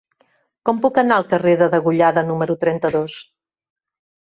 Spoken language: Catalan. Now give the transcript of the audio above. Com puc anar al carrer de Degollada número trenta-dos?